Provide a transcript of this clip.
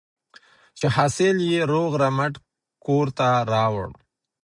چې حاصل یې روغ رمټ کور ته راوړ.